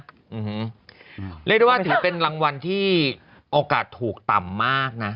เรียกได้ว่าถือเป็นรางวัลที่โอกาสถูกต่ำมากนะ